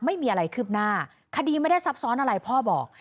ไม่มีอะไรคืบหน้าคดีไม่ได้ซับซ้อนอะไรพ่อบอก